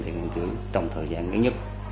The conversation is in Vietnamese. đại học viên cứu trong thời gian nhất